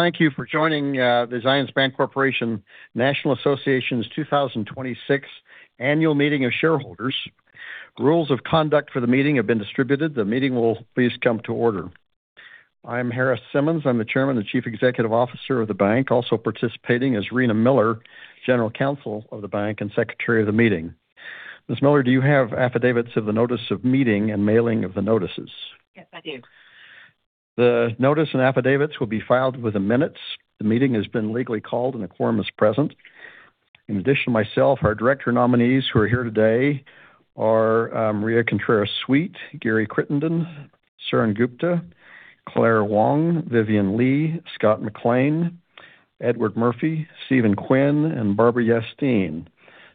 Thank you for joining the Zions Bancorporation, National Association's 2026 Annual Meeting of Shareholders. Rules of conduct for the meeting have been distributed. The meeting will please come to order. I'm Harris Simmons. I'm the Chairman and Chief Executive Officer of the bank. Also participating is Rena Miller, General Counsel of the bank and Secretary of the Meeting. Ms. Miller, do you have affidavits of the notice of meeting and mailing of the notices? Yes, I do. The notice and affidavits will be filed with the minutes. The meeting has been legally called, and a quorum is present. In addition to myself, our director nominees who are here today are Maria Contreras-Sweet, Gary Crittenden, Suren Gupta, Claire Huang, Vivian Lee, Scott McLean, Edward Murphy, Stephen Quinn, and Barbara Yastine.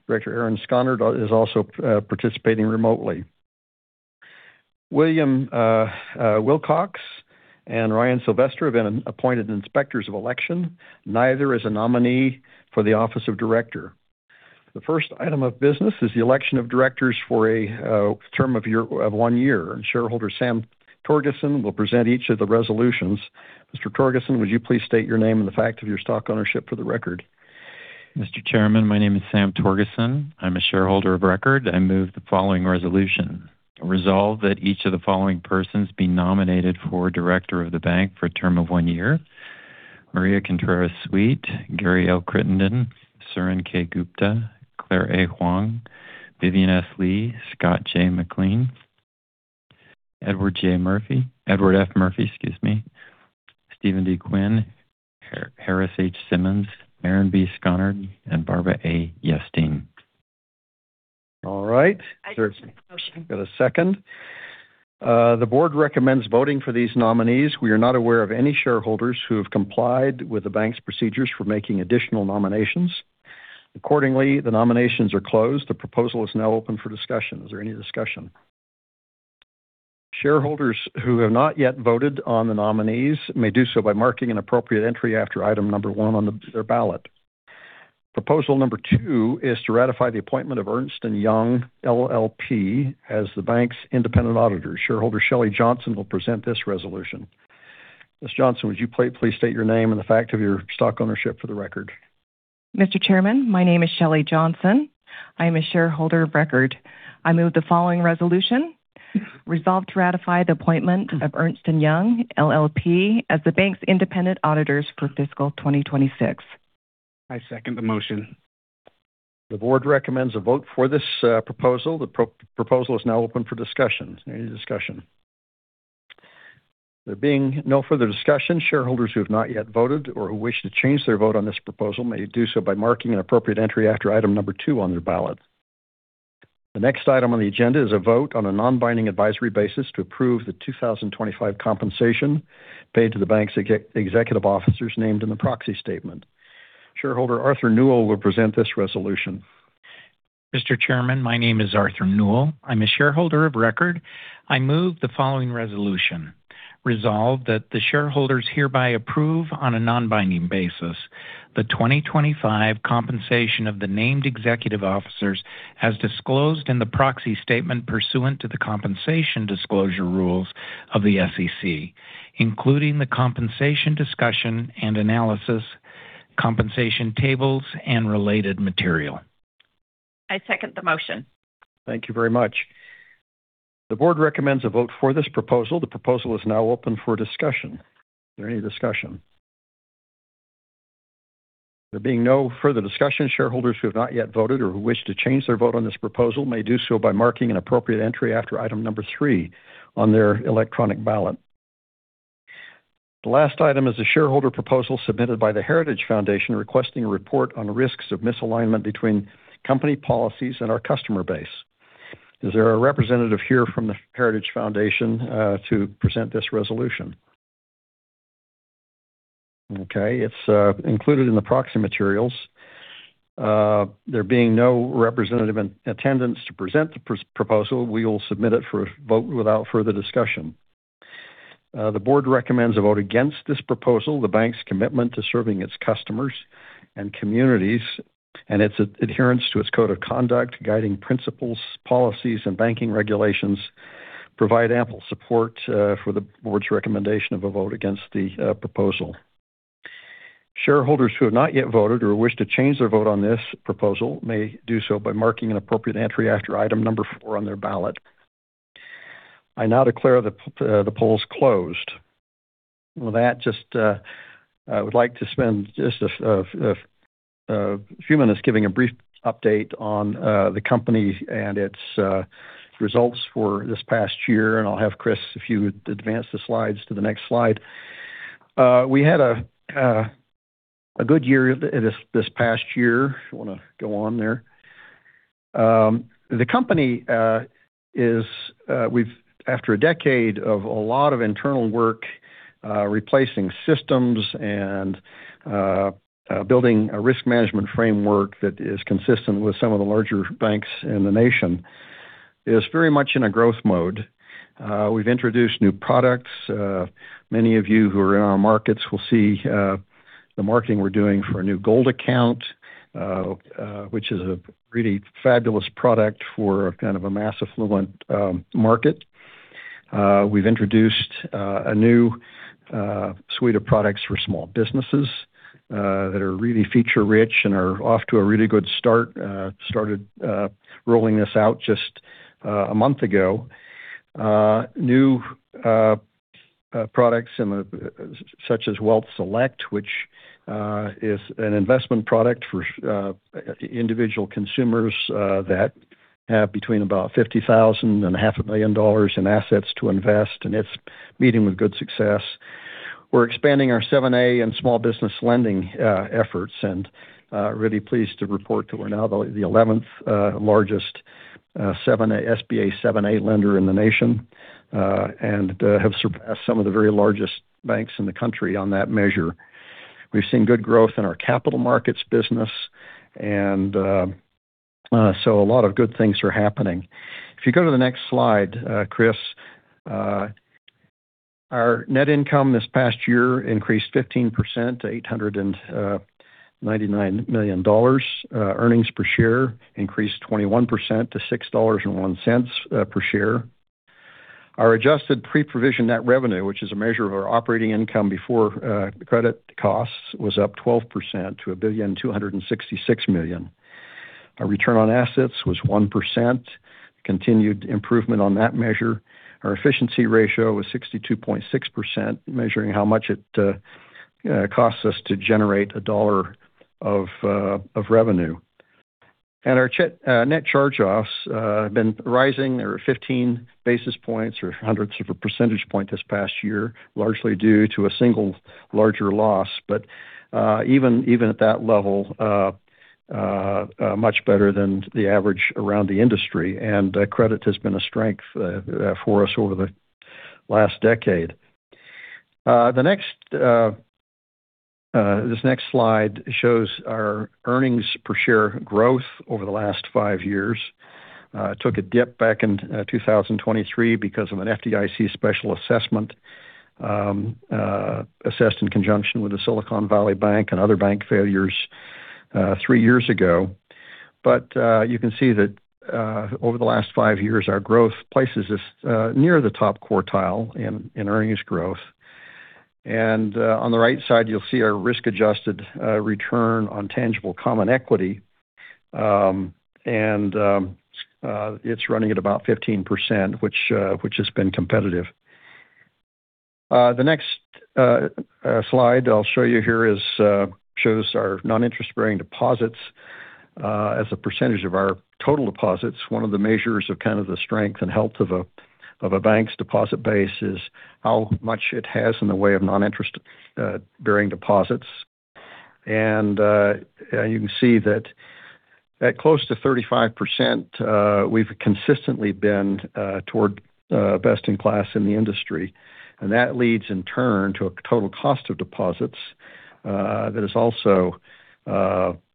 Director Aaron Skonnard is also participating remotely. William Wilcox and Ryan Sylvester have been appointed inspectors of election. Neither is a nominee for the office of director. The first item of business is the election of directors for a term of one year, and shareholder Sam Torgerson will present each of the resolutions. Mr. Torgerson, would you please state your name and the fact of your stock ownership for the record? Mr. Chairman, my name is Sam Torgerson. I'm a shareholder of record. I move the following resolution: Resolve that each of the following persons be nominated for director of the bank for a term of one year. Maria Contreras-Sweet, Gary L. Crittenden, Suren K. Gupta, Claire A. Huang, Vivian S. Lee, Scott J. McLean, Edward F. Murphy, excuse me, Stephen D. Quinn, Harris H. Simmons, Aaron B. Skonnard, and Barbara A. Yastine. All right. I second the motion. Got a second. The board recommends voting for these nominees. We are not aware of any shareholders who have complied with the bank's procedures for making additional nominations. Accordingly, the nominations are closed. The proposal is now open for discussion. Is there any discussion? Shareholders who have not yet voted on the nominees may do so by marking an appropriate entry after item number one on their ballot. Proposal number two is to ratify the appointment of Ernst & Young LLP as the bank's independent auditor. Shareholder Shelly Johnson will present this resolution. Ms. Johnson, would you please state your name and the fact of your stock ownership for the record? Mr. Chairman, my name is Shelly Johnson. I am a shareholder of record. I move the following resolution: Resolve to ratify the appointment of Ernst & Young LLP as the bank's independent auditors for fiscal 2026. I second the motion. The board recommends a vote for this proposal. The proposal is now open for discussion. Is there any discussion? There being no further discussion, shareholders who have not yet voted or who wish to change their vote on this proposal may do so by marking an appropriate entry after item number two on their ballot. The next item on the agenda is a vote on a non-binding advisory basis to approve the 2025 compensation paid to the bank's executive officers named in the proxy statement. Shareholder Arthur Newell will present this resolution. Mr. Chairman, my name is Arthur Newell. I'm a shareholder of record. I move the following resolution: Resolve that the shareholders hereby approve on a non-binding basis the 2025 compensation of the named executive officers as disclosed in the proxy statement pursuant to the compensation disclosure rules of the SEC, including the compensation discussion and analysis, compensation tables, and related material. I second the motion. Thank you very much. The board recommends a vote for this proposal. The proposal is now open for discussion. Is there any discussion? There being no further discussion, shareholders who have not yet voted or who wish to change their vote on this proposal may do so by marking an appropriate entry after item three on their electronic ballot. The last item is a shareholder proposal submitted by The Heritage Foundation requesting a report on risks of misalignment between company policies and our customer base. Is there a representative here from The Heritage Foundation to present this resolution? Okay. It's included in the proxy materials. There being no representative in attendance to present the proposal, we will submit it for a vote without further discussion. The board recommends a vote against this proposal. The bank's commitment to serving its customers and communities and its adherence to its code of conduct, guiding principles, policies, and banking regulations provide ample support for the board's recommendation of a vote against the proposal. Shareholders who have not yet voted or wish to change their vote on this proposal may do so by marking an appropriate entry after item number four on their ballot. I now declare the polls closed. With that, just, I would like to spend just a few minutes giving a brief update on the company and its results for this past year. I'll have Chris, if you would advance the slides to the next slide. We had a good year this past year. If you wanna go on there. The company is, after a decade of a lot of internal work, replacing systems and building a risk management framework that is consistent with some of the larger banks in the nation, is very much in a growth mode. We've introduced new products. Many of you who are in our markets will see the marketing we're doing for a new Gold Account, which is a really fabulous product for a kind of a mass affluent market. We've introduced a new suite of products for small businesses that are really feature-rich and are off to a really good start. Started rolling this out just a month ago. Such as Wealth Select, which is an investment product for individual consumers that have between about 50,000 and $500 million in assets to invest, and it's meeting with good success. We're expanding our 7(a) and small business lending efforts, and really pleased to report that we're now the 11th largest 7(a) SBA 7(a) lender in the nation, and have surpassed some of the very largest banks in the country on that measure. We've seen good growth in our capital markets business and a lot of good things are happening. If you go to the next slide, Chris, our net income this past year increased 15% to $899 million. Earnings per share increased 21% to $6.01 per share. Our adjusted pre-provision net revenue, which is a measure of our operating income before credit costs, was up 12% to $1.266 billion. Our Return on Assets was 1%. Continued improvement on that measure. Our Efficiency Ratio was 62.6%, measuring how much it costs us to generate a dollar of revenue. Our net charge-offs have been rising. There are 15 basis points or hundredths of a percentage point this past year, largely due to a single larger loss. Even at that level, much better than the average around the industry. Credit has been a strength for us over the last decade. The next this next slide shows our earnings per share growth over the last five years. It took a dip back in 2023 because of an FDIC special assessment, assessed in conjunction with the Silicon Valley Bank and other bank failures, three years ago. You can see that over the last five years, our growth places us near the top quartile in earnings growth. On the right side, you'll see our risk-adjusted return on tangible common equity. It's running at about 15%, which has been competitive. The next slide I'll show you here is shows our non-interest-bearing deposits as a percentage of our total deposits. One of the measures of kind of the strength and health of a bank's deposit base is how much it has in the way of non-interest-bearing deposits. You can see that at close to 35%, we've consistently been toward best in class in the industry. That leads in turn to a total cost of deposits that is also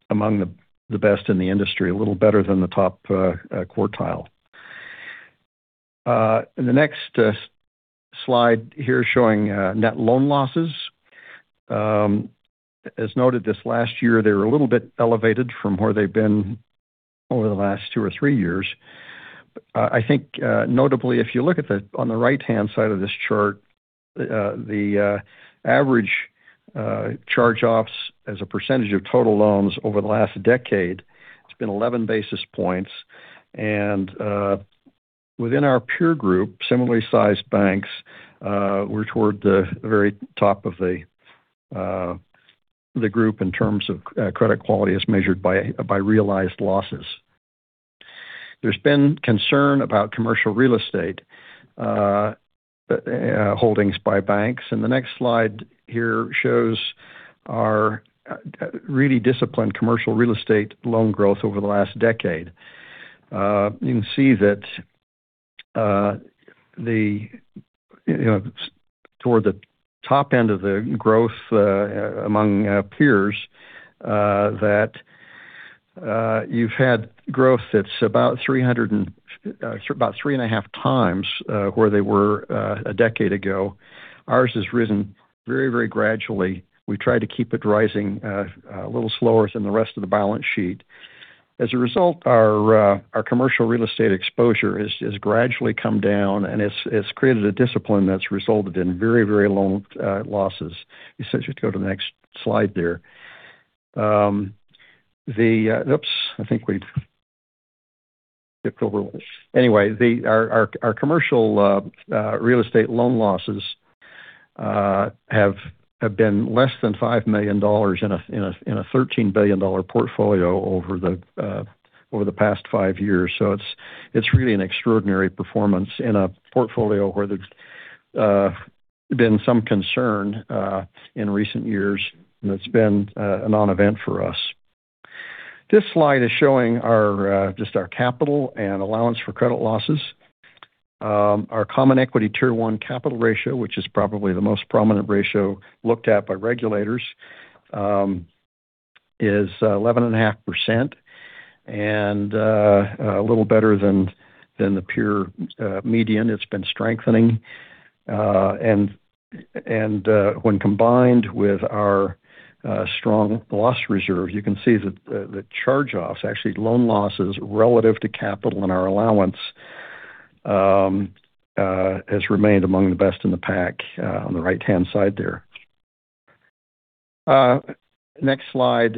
among the best in the industry, a little better than the top quartile. The next slide here showing net loan losses. As noted this last year, they were a little bit elevated from where they've been over the last two or three years. I think, notably, if you look at the on the right-hand side of this chart, the average charge-offs as a percentage of total loans over the last decade, it's been 11 basis points. Within our peer group, similarly sized banks, we're toward the very top of the group in terms of credit quality as measured by realized losses. There's been concern about commercial real estate holdings by banks. The next slide here shows our really disciplined commercial real estate loan growth over the last decade. You can see that, you know, toward the top end of the growth among peers, that you've had growth that's about 3.5x where they were a decade ago. Ours has risen very, very gradually. We tried to keep it rising a little slower than the rest of the balance sheet. As a result, our commercial real estate exposure has gradually come down, and it's created a discipline that's resulted in very, very low losses. You said you'd go to the next slide there. Our commercial real estate loan losses have been less than $5 million in a $13 billion portfolio over the past five years. It's really an extraordinary performance in a portfolio where there's been some concern in recent years, and it's been a non-event for us. This slide is showing our just our capital and allowance for credit losses. Our Common Equity Tier 1 capital ratio, which is probably the most prominent ratio looked at by regulators, is 11.5%, and a little better than the peer median. It's been strengthening. When combined with our strong loss reserve, you can see that the charge-offs, actually loan losses relative to capital and our allowance, has remained among the best in the pack on the right-hand side there. Next slide.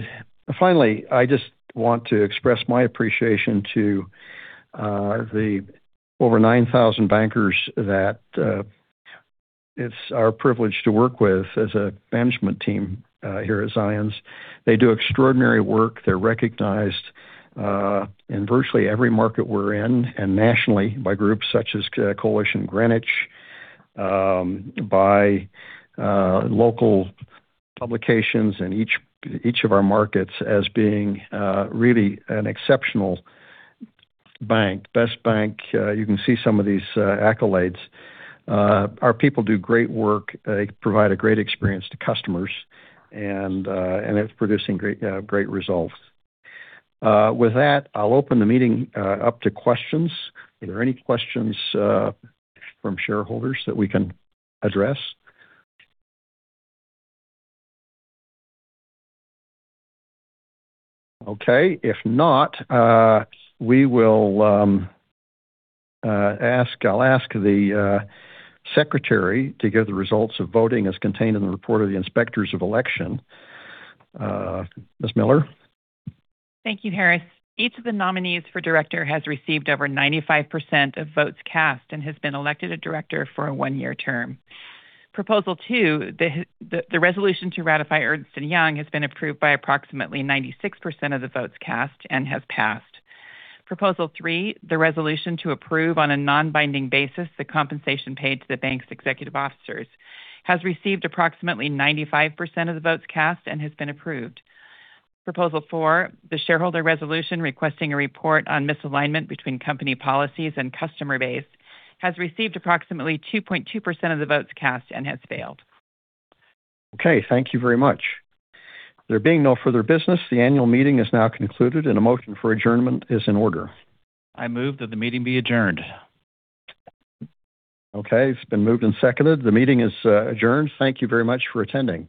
Finally, I just want to express my appreciation to the over 9,000 bankers that it's our privilege to work with as a management team here at Zions. They do extraordinary work. They're recognized in virtually every market we're in and nationally by groups such as Coalition Greenwich, by local publications in each of our markets as being really an exceptional bank. Best bank. You can see some of these accolades. Our people do great work. They provide a great experience to customers, and it's producing great results. With that, I'll open the meeting up to questions. Are there any questions from shareholders that we can address? Okay. If not, I'll ask the Secretary to give the results of voting as contained in the report of the inspectors of election. Ms. Miller. Thank you, Harris. Each of the nominees for director has received over 95% of votes cast and has been elected a director for a one-year term. Proposal 2, the resolution to ratify Ernst & Young has been approved by approximately 96% of the votes cast and has passed. Proposal 3, the resolution to approve on a non-binding basis the compensation paid to the bank's executive officers, has received approximately 95% of the votes cast and has been approved. Proposal 4, the shareholder resolution requesting a report on misalignment between company policies and customer base, has received approximately 2.2% of the votes cast and has failed. Okay. Thank you very much. There being no further business, the annual meeting is now concluded and a motion for adjournment is in order. I move that the meeting be adjourned. It's been moved and seconded. The meeting is adjourned. Thank you very much for attending.